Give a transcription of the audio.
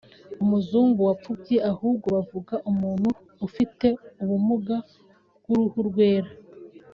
umuzungu wapfubye ahubwo bavuga umuntu ufite ubumuga bw’uruhu rwera